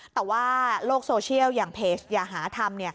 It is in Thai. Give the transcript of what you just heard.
แต่ว่าโลกโซเชียลอย่างเพจอย่าหาทำ